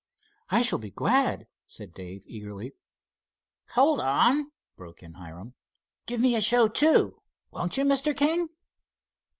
"I shall be glad," said Dave, eagerly. "Hold on," broke in Hiram; "give me a show too; won't you, Mr. King?"